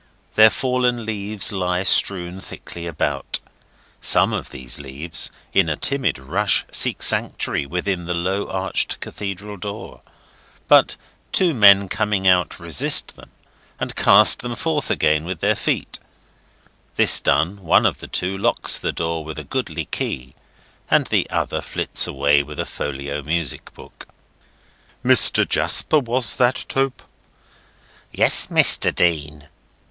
Their fallen leaves lie strewn thickly about. Some of these leaves, in a timid rush, seek sanctuary within the low arched Cathedral door; but two men coming out resist them, and cast them forth again with their feet; this done, one of the two locks the door with a goodly key, and the other flits away with a folio music book. "Mr. Jasper was that, Tope?" "Yes, Mr. Dean."